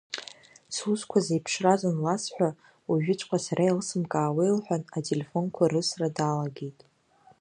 Сусқәа зеиԥшраз анласҳәа, уажәыҵәҟьа сара еилысымкаауеи лҳәан, ателефонқәа рысра далагеит.